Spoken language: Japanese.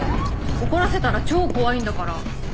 怒らせたら超怖いんだから。